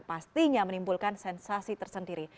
pastinya menimbulkan sensasi tersendiri